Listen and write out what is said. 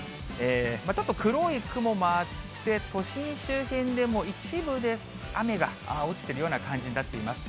ちょっと黒い雲もあって、都心周辺でも、一部で雨が落ちているような感じになっています。